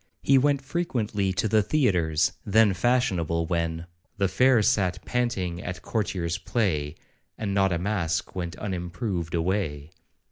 He went frequently to the theatres, then fashionable, when 'The fair sat panting at a courtier's play, And not a mask went unimproved away.'